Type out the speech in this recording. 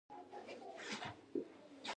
جهالت موږ له وبایي ناروغیو زیانمنوي.